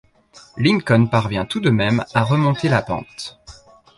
Lincoln parvient tout de même à remonter la pente.